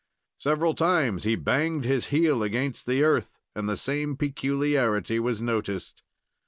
Several times he banged his heel against the earth, and the same peculiarity was noticed.